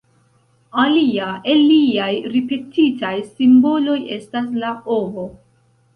Alia el liaj ripetitaj simboloj estas la ovo.